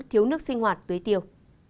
thiếu nước sinh hoạt tưới tiêu